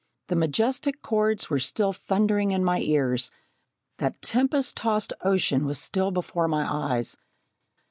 The majestic chords were still thundering in my ears; that tempest tossed ocean was still before my eyes.